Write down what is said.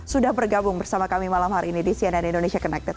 sudah bergabung bersama kami malam hari ini di cnn indonesia connected